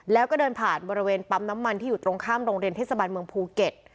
แล้วก็เดินผ่านบริเวณปั๊มน้ำมันที่อยู่ตรงข้ามโรงเรียนเทศบาลเมืองภูเก็ต